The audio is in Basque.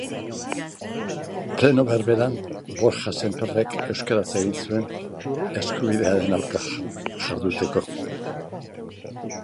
Pleno berberean Borja Sémperrek euskaraz egin zuen, eskubidearen aurka jarduteko